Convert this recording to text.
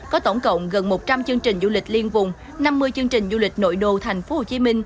có tổng cộng gần một trăm linh chương trình du lịch liên vùng năm mươi chương trình du lịch nội đô tp hcm